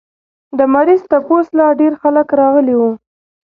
د مريض تپوس له ډېر خلق راغلي وو